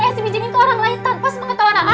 esi pinjamin ke orang lain tanpa sepengetahuan a